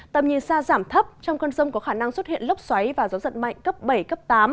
tầm nhìn xa giảm thấp trong cơn rông có khả năng xuất hiện lốc xoáy và gió giật mạnh cấp bảy cấp tám